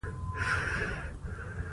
انسان باید له ستونزو ونه ویریږي.